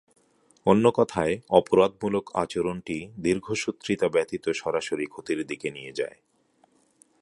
অন্য কথায় অপরাধমূলক আচরণটি দীর্ঘসূত্রিতা ব্যতীত সরাসরি ক্ষতির দিকে নিয়ে যায়।